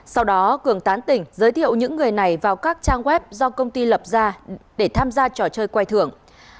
sau đó cường tán tỉnh giới thiệu những người này vào các trang web do công ty lập ra để tham gia trò chơi quay thưởng